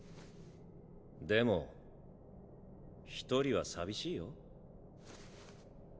でも一人は寂しいよ。